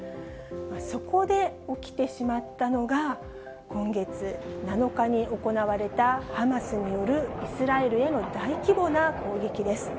そこで起きてしまったのが今月７日に行われた、ハマスによるイスラエルへの大規模な攻撃です。